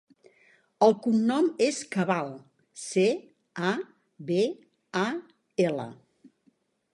El cognom és Cabal: ce, a, be, a, ela.